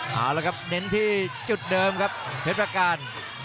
เอาละครับเน้นที่จุดเดิมครับเพชรประการ